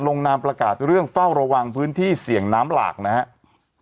นามประกาศเรื่องเฝ้าระวังพื้นที่เสี่ยงน้ำหลากนะครับ